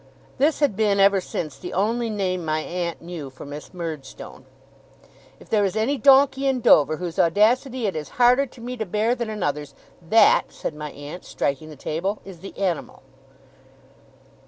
This had been, ever since, the only name my aunt knew for Miss Murdstone. 'If there is any Donkey in Dover, whose audacity it is harder to me to bear than another's, that,' said my aunt, striking the table, 'is the animal!